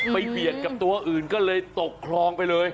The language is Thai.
เบียดกับตัวอื่นก็เลยตกคลองไปเลย